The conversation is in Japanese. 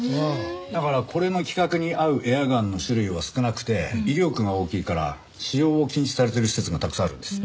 だからこれの規格に合うエアガンの種類は少なくて威力が大きいから使用を禁止されてる施設がたくさんあるんです。